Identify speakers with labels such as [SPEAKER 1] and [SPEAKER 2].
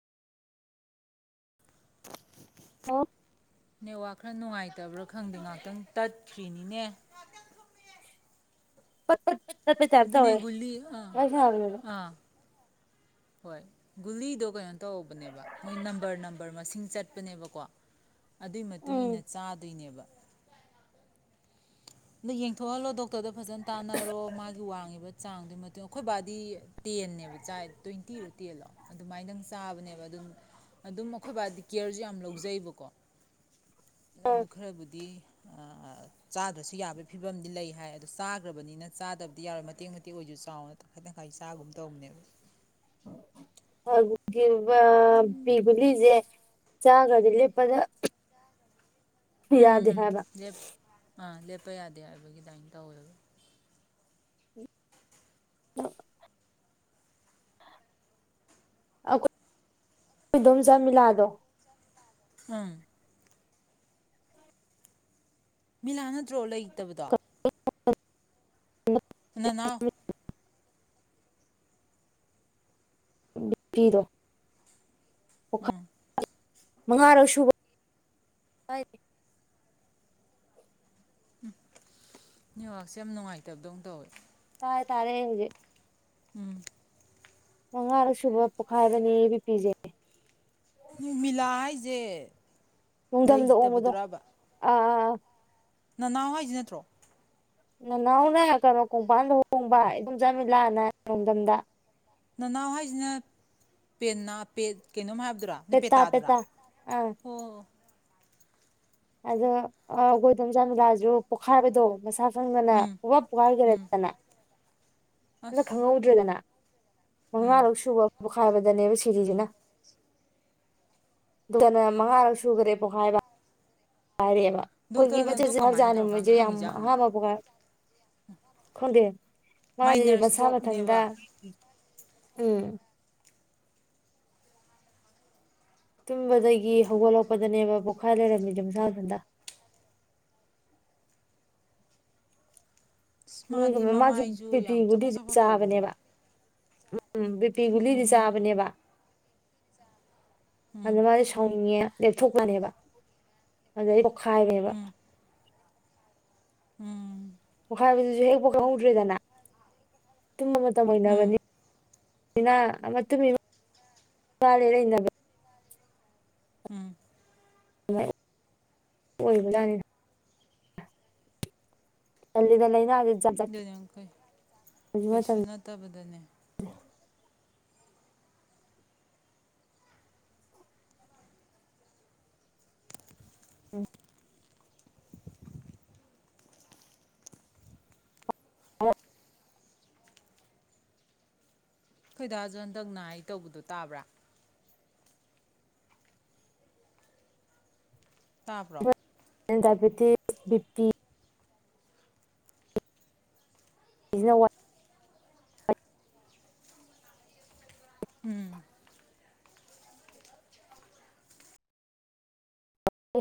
[SPEAKER 1] ꯑꯣ
[SPEAKER 2] ꯅ‌ꯦꯠꯋꯥꯔꯛ ꯈꯔ ꯅꯨꯡꯉꯥꯏꯇꯕ꯭ꯔꯥ ꯈꯪꯗꯦ ꯉꯍꯥꯛꯇꯪ ꯇꯠꯈ꯭ꯔꯤꯅꯤꯅꯦ
[SPEAKER 1] ꯄꯠ ꯄꯠ ꯄꯠ ꯄꯠ ꯇꯥꯏꯞ
[SPEAKER 2] ꯑꯗꯨꯅꯦ
[SPEAKER 1] ꯇꯧꯋꯦ
[SPEAKER 2] ꯒꯨꯂꯤ ꯑꯥ
[SPEAKER 1] [unintelligible]
[SPEAKER 2] ꯑꯥ ꯍꯣꯏ ꯒꯨꯂꯤꯗꯣ ꯀꯩꯅꯣ ꯇꯧꯕꯅꯦꯕ ꯃꯣꯏ ꯅꯝꯕꯔ ꯅꯝꯕꯔ ꯃꯁꯤꯡ ꯆꯠꯄꯅꯦꯕꯀꯣ ꯑꯗꯨꯏ ꯃꯇꯨꯡ ꯏꯟꯅ
[SPEAKER 1] ꯎꯝ
[SPEAKER 2] ꯆꯥꯗꯣꯏꯅꯦꯕ ꯅ ꯌꯦꯡꯊꯣꯛꯍꯜꯂꯣ ꯗꯣꯛ ꯗꯣꯛꯇꯔꯗ ꯐꯖꯅ ꯇꯥꯟꯅꯔꯣ ꯃꯥꯒꯤ ꯋꯥꯡꯉꯤꯕ ꯆꯥꯡꯗꯨ ꯑꯩꯈꯣꯏ ꯕꯥꯗꯤ ꯇꯦꯟꯅꯦꯕ ꯆꯥꯏ ꯇ꯭ꯋꯦꯟꯇꯤꯔꯣ ꯇꯦꯜꯂꯣ ꯑꯗꯨꯃꯥꯏꯅꯗꯪ ꯆꯥꯕꯅꯦꯕ ꯑꯗꯨꯝ ꯑꯗꯨꯝ ꯑꯩꯈꯣꯏ ꯕꯥꯗꯤ ꯀꯦꯌꯔꯁꯨ ꯌꯥꯝ ꯂꯧꯖꯩꯑꯦꯕꯀꯣ ꯑꯗꯨ ꯈꯔꯕꯨꯗꯤ ꯑ ꯆꯥ ꯑꯁꯨ ꯌꯥꯕꯒꯤ ꯐꯤꯕꯝꯗꯤ ꯂꯩ ꯍꯥꯏ ꯑꯗꯣ ꯆꯥꯈ꯭ꯔꯕꯅꯤꯅ ꯆꯥꯗꯕꯗꯤ ꯌꯥꯔꯣꯏ ꯃꯇꯦꯛ ꯃꯇꯦꯛ ꯑꯣꯏꯁꯨ ꯆꯥꯎꯅ ꯇꯪꯈꯥꯏ ꯇꯪꯈꯥꯏ ꯆꯥꯒꯨꯝ ꯇꯧꯕꯅꯦꯕ
[SPEAKER 1] ꯍꯒꯤ ꯑ ꯄꯕꯤꯒꯂꯤꯁꯦ ꯆꯒꯗ ꯂꯩꯄꯗ
[SPEAKER 2] ꯎꯝ ꯎꯝ
[SPEAKER 1] ꯌꯥꯗꯦ
[SPEAKER 2] ꯎꯝ
[SPEAKER 1] ꯍꯥꯏꯕ
[SPEAKER 2] ꯂꯦꯞ ꯑꯥ ꯂꯦꯞꯄ ꯌꯥꯗꯦ ꯍꯥꯏꯕꯒꯤꯗꯥꯏ ꯇꯧꯋꯦꯕ
[SPEAKER 1] ꯑ ꯑꯈꯣꯏꯗꯣꯝꯆꯥ ꯃꯤꯂꯥꯗꯣ꯫
[SPEAKER 2] ꯑꯝ ꯃꯤꯂꯥꯅ ꯅꯠꯇ꯭ꯔꯣ ꯂꯩꯩ ꯂꯩꯇꯕꯗꯣ
[SPEAKER 1] [inaudible]
[SPEAKER 2] ꯅꯅꯥꯎ
[SPEAKER 1] ꯕꯤꯄꯤꯗꯣ
[SPEAKER 2] ꯎꯝ
[SPEAKER 1] [unintelligible] ꯃꯉꯥꯔꯛꯁꯨꯕ
[SPEAKER 2] ꯎꯝ ꯅꯦꯠꯋꯥꯀꯁꯦ ꯌꯥꯝ ꯅꯨꯡꯉꯥꯏꯇꯕꯗꯧꯅ ꯇꯧꯋꯦ
[SPEAKER 1] ꯇꯥꯔꯦ ꯇꯥꯔꯦ ꯑꯩ ꯍꯧꯖꯤꯛ
[SPEAKER 2] ꯎꯝ
[SPEAKER 1] ꯃꯉꯥꯔꯛ ꯁꯨꯕ ꯄꯣꯛꯈꯥꯏꯕꯅꯦꯌꯦ ꯕꯤ ꯄꯤꯖꯦ
[SPEAKER 2] ꯅꯨꯃꯤꯂꯥ ꯍꯥꯏꯁꯦ
[SPEAKER 1] ꯅꯨꯡꯊꯝꯗ ꯑꯣꯡꯕꯗꯣ
[SPEAKER 2] ꯂꯩꯇꯕꯗꯨꯔꯕ
[SPEAKER 1] ꯑꯥ ꯑꯥ [inaudible]
[SPEAKER 2] ꯅꯅꯥꯎ ꯍꯥꯏꯁꯤ ꯅꯠꯇ꯭ꯔꯣ
[SPEAKER 1] ꯅꯅꯥꯎꯅ ꯀꯩꯅꯣ ꯀꯣꯡꯄꯥꯟꯗ ꯑꯣꯡꯕ ꯏꯗꯣꯝꯆꯥ ꯃꯤꯂꯥꯅ ꯔꯗꯝꯗ
[SPEAKER 2] ꯅꯅꯥꯎ ꯍꯥꯏꯁꯤꯅ ꯄꯅꯥ ꯄꯦꯀꯩꯅꯣꯝ ꯍꯥꯏꯕ ꯅꯨ ꯄꯦꯇꯥ ꯑꯗꯨ꯭ꯔ
[SPEAKER 1] ꯑꯥ
[SPEAKER 2] ꯑꯣ
[SPEAKER 1] ꯑꯗꯣ ꯑꯩꯈꯣꯏꯗꯣꯝꯆꯥꯥ ꯃꯤꯂꯥꯁꯨ ꯄꯣꯛꯈꯥꯏꯕꯗꯣ ꯃꯁꯥ ꯁꯪꯗꯅ
[SPEAKER 2] ꯎꯝ
[SPEAKER 1] ꯄꯨ
[SPEAKER 2] ꯎꯝ
[SPEAKER 1] ꯄꯨꯈꯥꯏꯈꯔꯦꯗꯅ ꯑꯝꯇ
[SPEAKER 2] ꯑꯁ
[SPEAKER 1] ꯈꯪꯍꯧꯗ꯭ꯔꯦꯗꯅ
[SPEAKER 2] ꯎꯝ
[SPEAKER 1] ꯃꯉꯥꯔꯛ ꯁꯨꯕ ꯄꯣꯛꯈꯥꯏꯕꯗꯅꯦꯕ ꯁꯤꯔꯤꯁꯤꯅ ꯗꯣꯛꯇꯔꯅ ꯃꯉꯥꯔꯛ ꯁꯨꯈ꯭ꯔꯦ ꯄꯣꯛꯈꯥꯏꯕ꯫ ꯄꯥꯏꯔꯛꯑꯦꯕ ꯑꯩꯈꯣꯏꯒꯤ
[SPEAKER 2] ꯗꯣꯛꯇꯔꯅ
[SPEAKER 1] ꯃꯆꯠ
[SPEAKER 2] ꯑꯗꯣ
[SPEAKER 1] ꯃꯆꯠ ꯍꯥꯛ
[SPEAKER 2] ꯀꯃꯥꯏꯅ
[SPEAKER 1] ꯆꯥꯅꯤ
[SPEAKER 2] ꯇꯧꯔꯀꯥꯟ
[SPEAKER 1] ꯃꯣꯏꯁꯦ ꯌꯥꯝ
[SPEAKER 2] ꯈꯪꯉꯤꯖꯥꯠꯅꯣ
[SPEAKER 1] ꯑꯍꯥꯕ ꯄꯣꯈꯥꯏ ꯈꯪꯗꯦ ꯃꯥꯁꯦ
[SPEAKER 2] ꯃꯥꯏꯅꯔ
[SPEAKER 1] ꯃꯁꯥ ꯃꯊꯟꯗ
[SPEAKER 2] ꯏꯁꯇ꯭ꯔꯣꯛꯅꯦꯕ
[SPEAKER 1] ꯎꯝ ꯇꯨꯝꯕꯗꯒꯤ ꯍꯧꯒꯠꯂꯛꯄꯗꯅꯦꯕ ꯄꯣꯛꯈꯥꯏ ꯂꯩꯔꯝꯃꯤꯗ ꯃꯁꯥꯃꯊꯟꯇ
[SPEAKER 2] ꯑꯁ
[SPEAKER 1] ꯅꯣꯏꯒ
[SPEAKER 2] ꯃꯥꯗꯤ
[SPEAKER 1] ꯃꯁꯨ ꯕꯤ
[SPEAKER 2] ꯃꯃꯥꯏꯁꯨ ꯌꯥꯝ
[SPEAKER 1] ꯄꯤꯒꯨꯂꯤꯗꯤ
[SPEAKER 2] ꯆꯄꯣꯠ
[SPEAKER 1] ꯗꯨꯝ
[SPEAKER 2] ꯆꯄꯣꯠ ꯇꯧꯕꯗꯣ
[SPEAKER 1] ꯆꯥꯕꯅꯦꯕ ꯎꯝ ꯕꯤꯄꯤ ꯒꯨꯂꯤꯗꯤ
[SPEAKER 2] ꯎꯝ
[SPEAKER 1] ꯆꯥꯕꯅꯦꯕ
[SPEAKER 2] ꯎꯝ
[SPEAKER 1] ꯑꯥꯗ ꯃꯥꯗꯤꯗꯤ ꯁꯥꯎꯅꯤꯡꯉꯦ ꯂꯦꯞꯊꯣꯛꯄꯅꯦꯕ ꯑꯗꯩ ꯄꯣꯛꯈꯥꯏꯔꯦꯕ
[SPEAKER 2] ꯎꯝ ꯎꯝ
[SPEAKER 1] ꯄꯈꯥꯏ ꯍꯥꯏꯕꯗꯨꯁꯨ ꯍꯦꯛ ꯄꯈꯥꯏ ꯎꯗ꯭ꯔꯦꯗꯅ ꯇꯨꯝꯕ ꯃꯇꯝ
[SPEAKER 2] ꯎꯝ
[SPEAKER 1] ꯑꯣꯏꯅꯕꯅꯤ ꯅꯥ ꯃ ꯃꯇꯨꯡ ꯏꯃ ꯏꯕ
[SPEAKER 2] ꯎꯝ
[SPEAKER 1] ꯑꯣꯏꯕꯖꯥꯅꯤꯅ ꯑꯜꯗꯩꯅ
[SPEAKER 2] ꯗꯣꯏꯅ ꯀꯩꯁꯨ
[SPEAKER 1] ꯃꯇꯝ
[SPEAKER 2] ꯅꯠꯇꯕꯗꯅꯦ
[SPEAKER 1] ꯎꯝ
[SPEAKER 2] ꯈꯣꯏꯗꯥꯖꯣ ꯍꯟꯗꯛꯅ ꯑꯩ ꯇꯧꯕꯗꯣ ꯇꯥꯕ꯭ꯔꯥ ꯇꯥꯄ꯭ꯔꯣ
[SPEAKER 1] ꯇꯄꯦꯗꯤ ꯕꯤ ꯄꯤ ꯏꯖꯤꯅ
[SPEAKER 2] ꯎꯝ